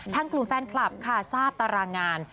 ทั้งกลุ่มแฟนคลับทราบตารางาน